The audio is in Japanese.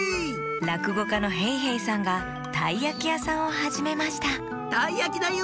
らくごかのへいへいさんがたいやきやさんをはじめましたたいやきだよ！